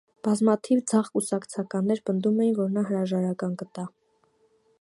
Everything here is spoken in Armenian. Բազմաթիվ ձախ կուսակցականներ պնդում էին, որ նա հրաժարական տա։